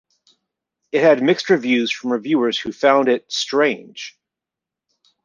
It had mixed reviews from reviewers who found it strange.